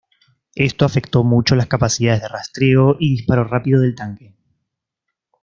Esto afectó mucho las capacidades de rastreo y disparo rápido del tanque.